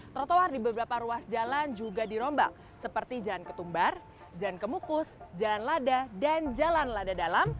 trotoar di beberapa ruas jalan juga dirombak seperti jalan ketumbar jalan kemukus jalan lada dan jalan lada dalam